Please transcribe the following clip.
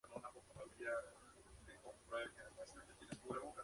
Los dos primeros pares de patas apuntan hacia atrás.